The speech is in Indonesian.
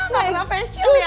gak pernah fashion ya